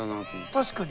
確かに！